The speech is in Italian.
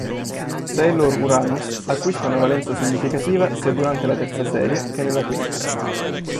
Sailor Uranus acquista una valenza significativa sia durante la terza serie, che nella quinta.